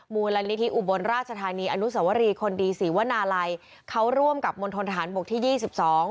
มูลนิธิอุบลราชธานีอนุสวรีคนดีศรีวนาลัยเขาร่วมกับมณฑนทหารบกที่ยี่สิบสอง